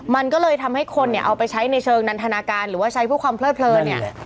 มันก็เลยทำให้คนเนี่ยเอาไปใช้ในเชิงนันทนาการหรือว่าใช้เพื่อความเลิดเลินเนี่ย